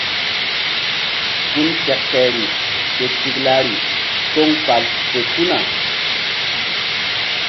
Gun sekeri ke tiklari toŋ fal fe tuna.